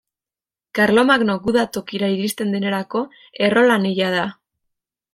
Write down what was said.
Karlomagno guda tokira iristen denerako, Errolan hila da.